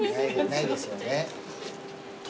ないですよね。